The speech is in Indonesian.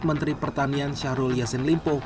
menteri pertanian syahrul yassin limpo